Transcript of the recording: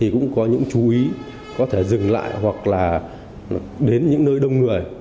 cũng có những chú ý có thể dừng lại hoặc là đến những nơi đông người